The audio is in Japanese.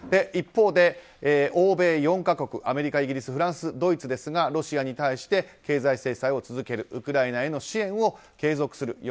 一方で欧米４か国アメリカ、イギリス、フランスドイツですがロシアに対して経済制裁を続けるウクライナへの支援を継続する。